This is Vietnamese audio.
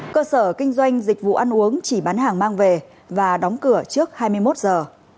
cơ sở kinh doanh dịch vụ ăn uống chỉ bán hàng mang về và đóng cửa trước hai mươi một giờ